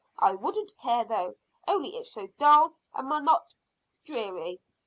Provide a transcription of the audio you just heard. I wouldn't care, though, only it's so dull and monot dreary!"